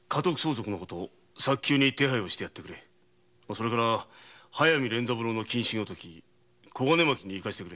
それから速水連三郎の謹慎を解き小金牧へ行かせてくれ。